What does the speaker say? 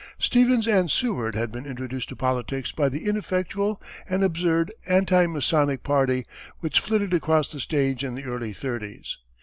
Stevens and Seward had been introduced to politics by the ineffectual and absurd anti Masonic party, which flitted across the stage in the early thirties.